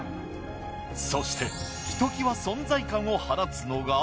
そして一際存在感を放つのが。